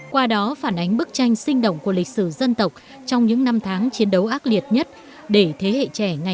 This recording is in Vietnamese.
qua đó phản ánh bức tranh sáng